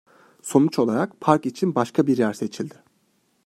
Sonuç olarak, park için başka bir yer seçildi.